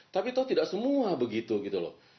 tapi itu tidak semua begitu gitu loh